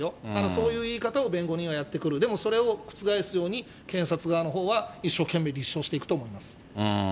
そういう言い方を弁護人はやってくる、でもそれを覆すように、検察側のほうは一生懸命立証していくと思います。